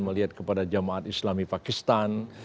melihat kepada jemaat islami pakistan